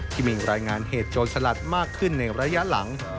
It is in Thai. ที่มีรายงานเหตุโจรสลัดมากขึ้นในระยะหลัง